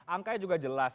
angkanya juga jelas